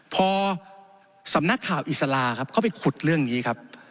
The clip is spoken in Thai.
พอสำนักข่าวอิสลาครับเขาไปขุดเรื่องนี้ครับ